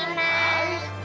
はい。